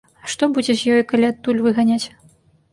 А што будзе з ёю, калі адтуль выганяць.